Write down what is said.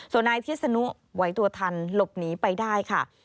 ส่วนนายพิษนุไหวตัวทันหลบหนีไปได้ค่ะ